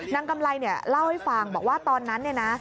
กำไรเนี่ยเล่าให้ฟังบอกว่าตอนนั้นเนี่ยนะ